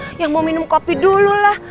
oh yang mau minum kopi dulu lah